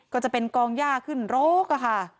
ก็จะเป็นกองหญ้าขึ้นโรคอ่ะค่ะ